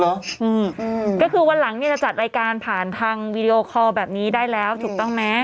อืมก็คือวันหลังเนี้ยจะจัดรายการผ่านทางวีดีโอคอลแบบนี้ได้แล้วถูกต้องไหม